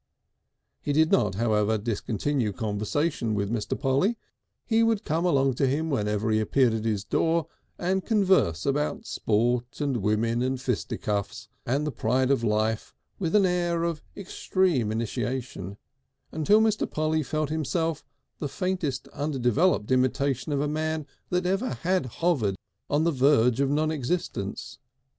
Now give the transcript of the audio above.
He did not, however, discontinue conversation with Mr. Polly; he would come along to him whenever he appeared at his door, and converse about sport and women and fisticuffs and the pride of life with an air of extreme initiation, until Mr. Polly felt himself the faintest underdeveloped intimation of a man that had ever hovered on the verge of non existence.